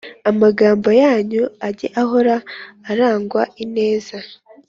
Amagambo yanyu ajye ahora arangwa ineza